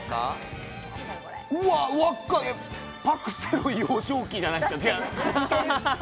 パク・セロイの幼少期じゃないですか？